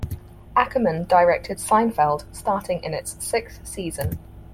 Ackerman directed "Seinfeld" starting in its sixth season.